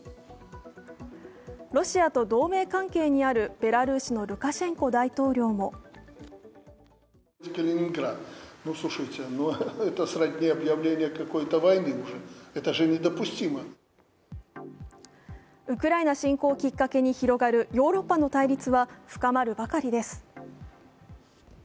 ロシアと同盟関係にあるベラルーシのルカシェンコ大統領もウクライナ侵攻をきっかけに広がるヨーロッパの対立は深まるばかりです。